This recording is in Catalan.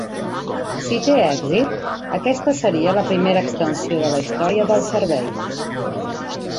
Si té èxit, aquesta seria la primera extensió de la història del servei.